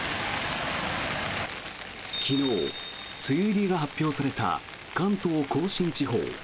昨日、梅雨入りが発表された関東・甲信地方。